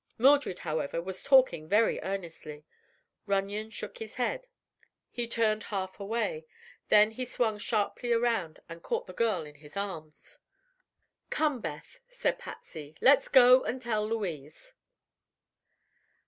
Mildred, however, was talking very earnestly. Runyon shook his head. He turned half away. Then he swung sharply around and caught the girl in his arms. "Come, Beth," said Patsy; "let's go and tell Louise."